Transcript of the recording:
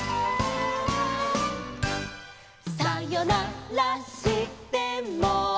「さよならしても」